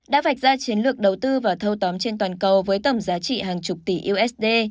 đã vạch ra chiến lược đầu tư và thâu tóm trên toàn cầu với tổng giá trị hàng chục tỷ usd